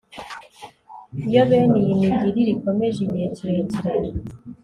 Iyo bene iyi migirire ikomeje igihe kirekire